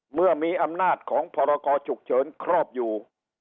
เมื่อมีอำนาจของพรกรฉุกเฉินครอบอยู่